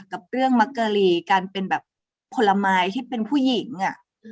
กับเรื่องมักกะหรี่การเป็นแบบผลไม้ที่เป็นผู้หญิงอ่ะ